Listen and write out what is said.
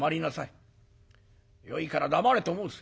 よいから黙れと申す。